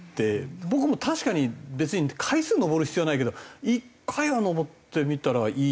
僕も確かに別に回数登る必要はないけど１回は登ってみたらいいと思いますよ。